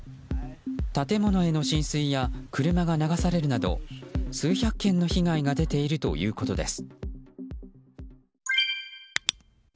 建物への浸水や車が流されるなど数百件の被害が出ているということです。